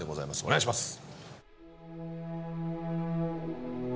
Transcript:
お願いします。